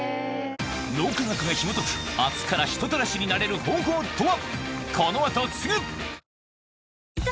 脳科学がひもとく明日から人たらしになれる方法とは？